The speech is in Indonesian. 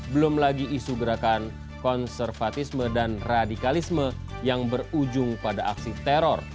belum lagi isu gerakan konservatisme dan radikalisme yang berujung pada aksi teror